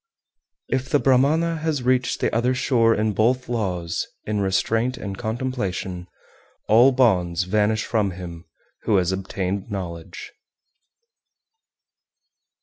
384. If the Brahmana has reached the other shore in both laws (in restraint and contemplation), all bonds vanish from him who has obtained knowledge.